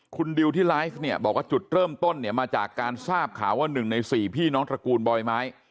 คุณดิวที่ไลฟ์เนี่ยบอกว่าจุดเริ่มต้นเนี่ยมาจากการทราบข่าวว่า๑ใน๔พี่น้องตระกูลบอยไม้